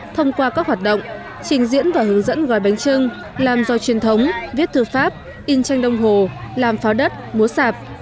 thông qua các hoạt động trình diễn và hướng dẫn gọi bánh chưng làm do truyền thống viết thư pháp in tranh đồng hồ làm pháo đất múa sạp